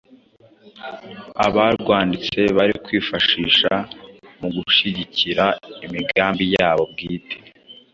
abarwanditse bari kwifashisha mu gushigikira imigambi yabo bwite.